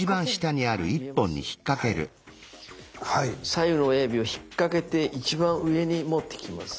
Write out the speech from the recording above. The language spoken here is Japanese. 左右の親指を引っ掛けて一番上に持ってきます。